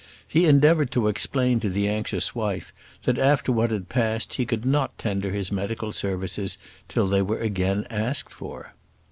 He endeavoured to explain to the anxious wife, that after what had passed he could not tender his medical services till they were again asked for.